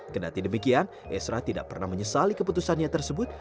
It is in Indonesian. kena tidak demikian esra tidak pernah menyesali keputusannya tersebut